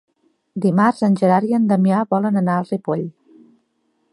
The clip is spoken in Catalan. Dimarts en Gerard i en Damià volen anar a Ripoll.